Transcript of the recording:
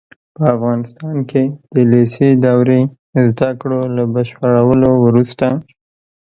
په افغانستان کې د لېسې دورې زده کړو له بشپړولو وروسته